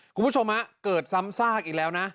คุณผู้ชมฮะเกิดซ้ำซากอีกแล้วนะ